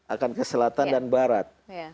akan ke selatan dan barat